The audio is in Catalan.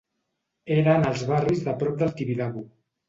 Era en els barris de prop del Tibidabo